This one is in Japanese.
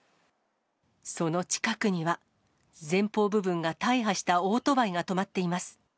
その近くには、前方部分が大破したオートバイが止まっています。